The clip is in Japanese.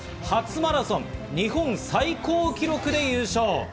初マラソン、日本最高記録で優勝。